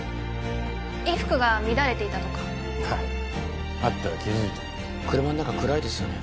衣服が乱れていたとかないあったら気づいてる車の中暗いですよね